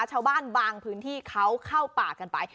ชาวบ้านบางพื้นที่เขาเข้าป่ากันไป